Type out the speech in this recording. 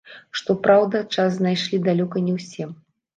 Што праўда, час знайшлі далёка не ўсе.